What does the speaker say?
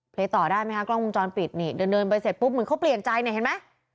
ต่อได้ไหมคะกล้องวงจรปิดนี่เดินไปเสร็จปุ๊บเหมือนเขาเปลี่ยนใจเนี่ยเห็นไหม